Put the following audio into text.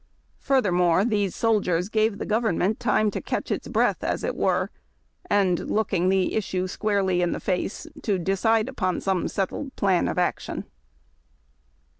Furthermore, these soldiers gave the government time to catch its breath, as it were, and, looking the issue squarely in the face, to decide upon some settled plan of action.